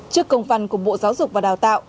trước công văn của bộ giáo dục và đào tạo